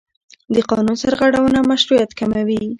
د قانون سرغړونه مشروعیت کموي